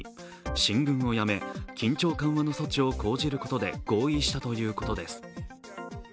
進軍をやめ、緊張緩和の措置を講じることで合意したということです。